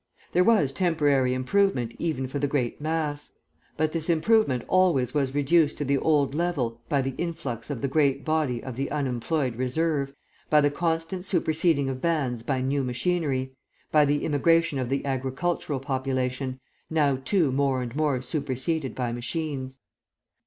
There was temporary improvement even for the great mass. But this improvement always was reduced to the old level by the influx of the great body of the unemployed reserve, by the constant superseding of bands by new machinery, by the immigration of the agricultural population, now, too, more and more superseded by machines.